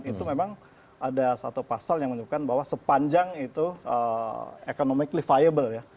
itu memang ada satu pasal yang menunjukkan bahwa sepanjang itu economicly fiable ya